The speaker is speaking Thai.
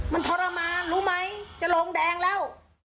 มันทรมานรู้ไหมจะลงแดงแล้ว